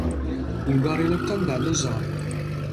ბულგარელებთან დადო ზავი.